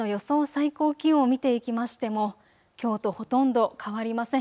最高気温を見ていきましてもきょうとほとんど変わりません。